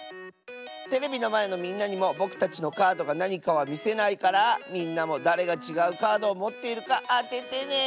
テレビのまえのみんなにもぼくたちのカードがなにかはみせないからみんなもだれがちがうカードをもっているかあててね！